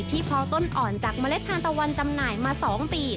เพาะต้นอ่อนจากเมล็ดทานตะวันจำหน่ายมา๒ปี